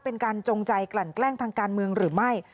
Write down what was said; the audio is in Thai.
จงใจกลั่นแกล้งทางการเมืองหรือไม่